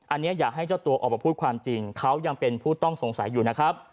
อันนี้อยากให้เจ้าตัวออกมาพูดความจริงเขายังเป็นผู้ต้องสงสัยอยู่นะครับ